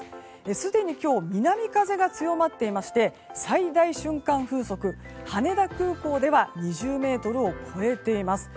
すでに今日南風が強まっていまして最大瞬間風速、羽田空港では２０メートルを超えています。